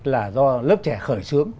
là do lớp trẻ khởi xướng